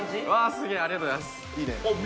すげえありがとうございますあっ